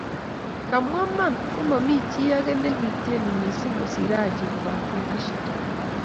kawmwa iman ko momii chi age nikitieni mising kosir Haji kobate Rashid